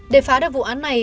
để phá được vụ án này